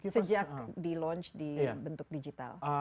sejak di launch di bentuk digital